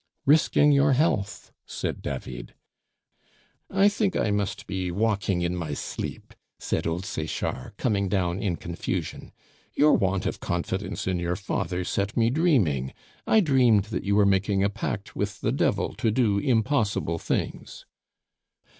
"Risking your health!" said David. "I think I must be walking in my sleep," said old Sechard, coming down in confusion. "Your want of confidence in your father set me dreaming; I dreamed you were making a pact with the Devil to do impossible things."